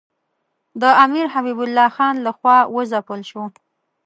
د امیر حبیب الله خان له خوا وځپل شو.